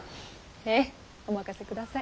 へぇお任せください。